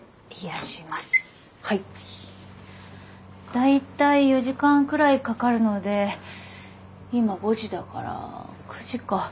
大体４時間くらいかかるので今５時だから９時か。